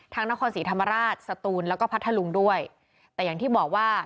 นครศรีธรรมราชสตูนแล้วก็พัทธลุงด้วยแต่อย่างที่บอกว่า